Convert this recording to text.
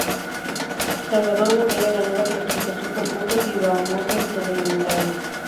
Salvador Botella ganó la clasificación por puntos y Bahamontes la de la montaña.